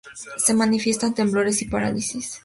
Se manifiestan temblores y parálisis.